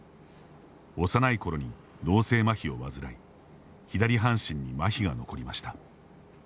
幼いころに、脳性まひを患い左半身にまひが残りました。